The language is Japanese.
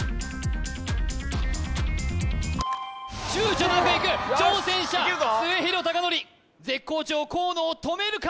躊躇なくいく挑戦者末廣隆典絶好調河野を止めるか？